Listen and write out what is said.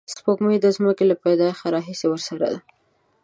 سپوږمۍ د ځمکې له پیدایښت راهیسې ورسره ده